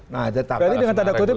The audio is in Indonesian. nah tetapi dengan tanda kutip